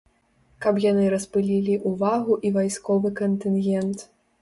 Каб яны распылілі ўвагу і вайсковы кантынгент.